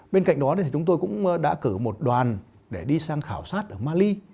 bên cạnh đó thì chúng tôi cũng đã cử một đoàn để đi sang khảo sát ở mali